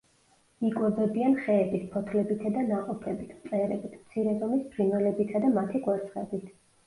იკვებებიან ხეების ფოთლებითა და ნაყოფებით, მწერებით, მცირე ზომის ფრინველებითა და მათი კვერცხებით.